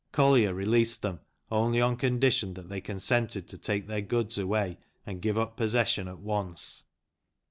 Collier released them only on condition that they consented to take their goods' away and give up possession at once.